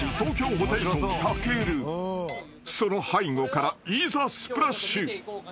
［その背後からいざスプラッシュ］